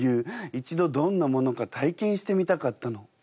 一度どんなものか体験してみたかったの。